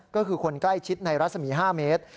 ก็คือคนใกล้ชิดในรัศมี๕เมตร